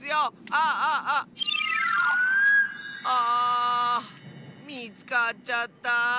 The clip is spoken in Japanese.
あみつかっちゃった！